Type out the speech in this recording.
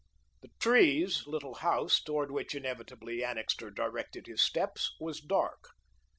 The Trees' little house, toward which inevitably Annixter directed his steps, was dark.